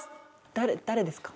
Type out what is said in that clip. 誰誰ですか？